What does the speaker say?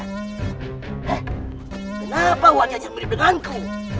eh kenapa wajahnya mirip denganku